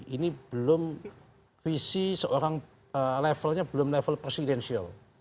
ini belum visi seorang levelnya belum level presidensial